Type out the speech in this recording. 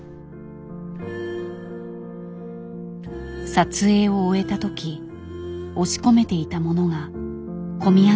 撮影を終えた時押し込めていたものが込み上げてきた。